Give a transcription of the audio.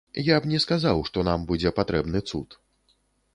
Я б не сказаў, што нам будзе патрэбны цуд.